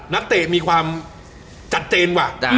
นักเตะมีความชัดเจนว่ะ